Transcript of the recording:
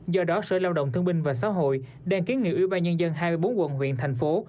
do đó sở lao động thương minh và xã hội đàn kiến nghị ưu ba nhân dân hai mươi bốn quận huyện thành phố